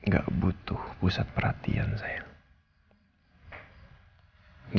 gak butuh pusat perhatian saya